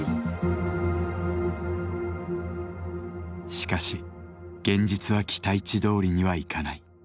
しかし現実は期待値どおりにはいかない。